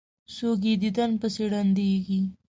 څوک یې دیدن پسې ړندیږي.